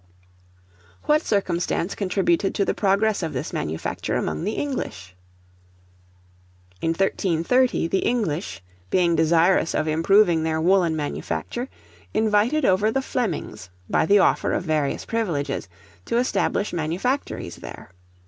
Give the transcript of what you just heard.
What circumstance contributed to the progress of this manufacture among the English? In 1330, the English, being desirous of improving their woollen manufacture, invited over the Flemings, by the offer of various privileges, to establish manufactories there.